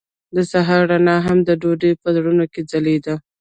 د سهار رڼا هم د دوی په زړونو کې ځلېده.